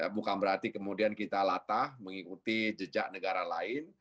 bukan berarti kemudian kita latah mengikuti jejak negara lain